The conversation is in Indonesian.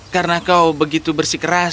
karena kau begitu bersih aku tidak akan mencari